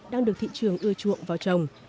đang được thị trường ưa chuộng vào trồng